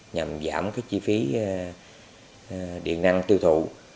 nhằm giảm cái chi phí điện năng tiêu thụ